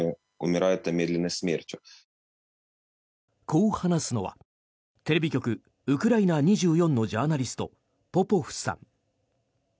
こう話すのはテレビ局ウクライナ２４のジャーナリスト、ポポフさん。